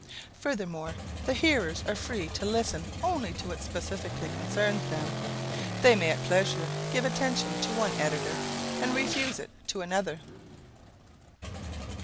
Furthermore, the hearers are free to listen only to what specially concerns them. They may at pleasure give attention to one editor and refuse it to another.